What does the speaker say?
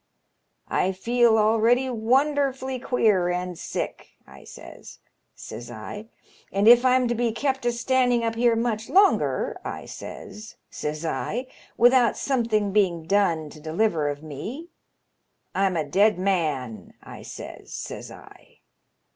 'I feel already wonderfully queer and sick,' I says, says I ;* and if I*m to be kept a standing up here much longer,' I says, says I, ' without something being done to deliver of me I*m a dead man,' I says, says I.